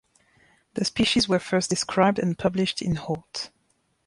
The species was first described and published in Hort.